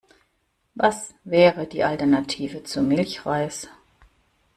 Was wäre die Alternative zu Milchreis?